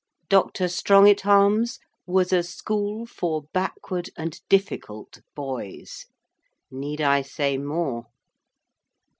Dr. Strongitharm's was a school 'for backward and difficult boys.' Need I say more?